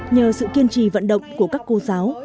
nhờ sự kiên trì vận động của các cô giáo